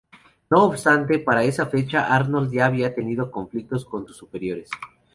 No obstante, para esa fecha Arnold ya había tenido conflictos con sus superiores.